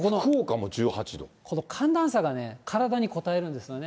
この寒暖差がね、体にこたえるんですよね。